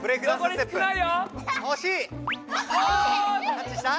タッチした？